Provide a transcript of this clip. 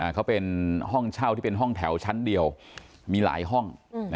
เขาเป็นห้องเช่าที่เป็นห้องแถวชั้นเดียวมีหลายห้อง